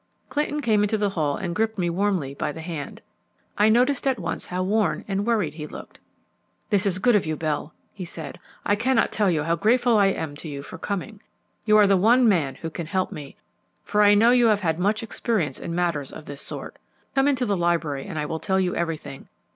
Clinton came into the hall and gripped me warmly by the hand. I noticed at once how worn and worried he looked. "This is good of you, Bell," he said. "I cannot tell you how grateful I am to you for coming. You are the one man who can help me, for I know you have had much experience in matters of this sort. Come into the library and I will tell you everything.